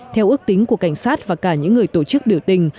theo ước tính của cảnh sát và cả những người tổ chức biểu tình